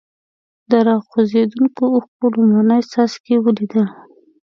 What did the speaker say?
د را خوځېدونکو اوښکو لومړني څاڅکي ولیدل.